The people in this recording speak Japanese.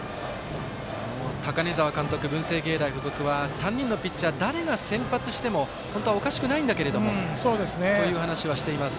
高根澤監督文星芸大付属は３人のピッチャー誰が先発しても本当はおかしくないんだけれどもという話はしています。